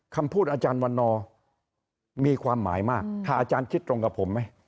คำพูดอาจารย์วันนอร์มีความหมายมากอาจารย์คิดตรงกับผมไหม